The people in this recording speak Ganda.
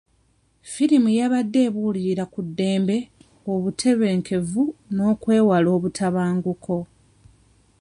Firimu yabadde ebuulirira ku ddembe, obutebenkevu, n'okwewala obutabanguko.